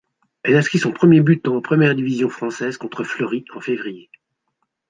Elle inscrit son premier but en première division française contre Fleury en février.